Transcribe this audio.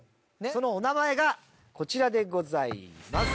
そのお名前がこちらでございます。